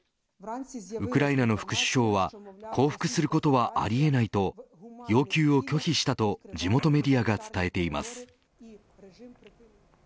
ウクライナの副首相は降伏することはあり得ないと要求を拒否したと地元メディアが伝えています。